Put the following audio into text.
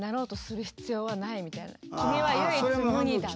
君は唯一無二だみたいな。